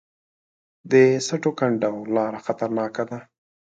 د سټو کنډو لاره خطرناکه ده